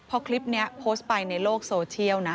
พอคลิปนี้โพสต์ไปในโลกโซเชียลนะ